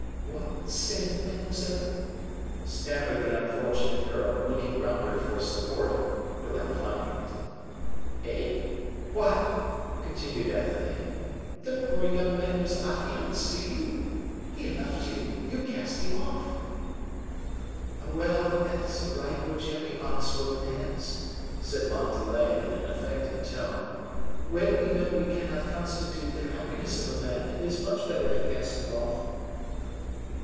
"What sin, mademoiselle?" stammered the unfortunate girl, looking round her for support, without finding it. "Eh! why," continued Athenais, "the poor young man was affianced to you; he loved you; you cast him off." "Well, that is a right which every honest woman has," said Montalais, in an affected tone. "When we know we cannot constitute the happiness of a man, it is much better to cast him off."